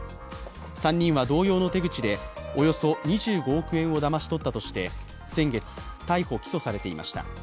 ３人は同様の手口でおよそ２５億円をだまし取ったとして先月、逮捕・起訴されていました。